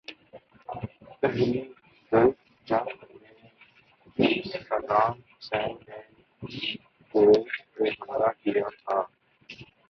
پہلی گلف جنگ میں جب صدام حسین نے کویت پہ حملہ کیا تھا۔